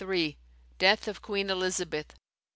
Death of Queen Elizabeth.